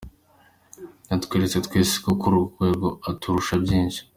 Yatweretse twese ko kuri urwo rwego aturusha byinshi.